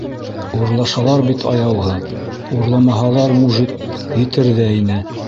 - Урлашалар бит аяуһыҙ, урламаһалар, мужит, етер ҙә ине.